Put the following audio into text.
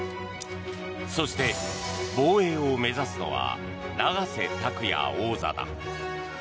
そして、防衛を目指すのは永瀬拓矢王座だ。